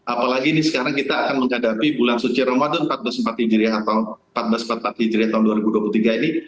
apalagi ini sekarang kita akan menghadapi bulan suci ramadan empat belas empat hijri atau empat belas empat hijri tahun dua ribu dua puluh tiga ini